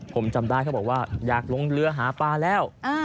ผมจำได้เขาบอกว่าอยากลงเรือหาปลาแล้ว